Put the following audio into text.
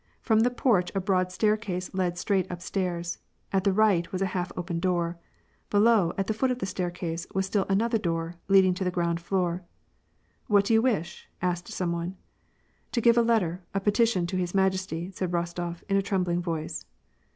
From the porch, a broad staircase led straight upstairs. At the right was a half open door. Below, at the foot of the staircase, was still another door, leading to the ground floor. " What do you wish ?" asked some one. " To give a letter, a petition, to his majesty," said Bostof, in a trembling voice.